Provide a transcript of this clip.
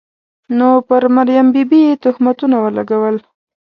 نو پر مریم بي بي یې تهمتونه ولګول.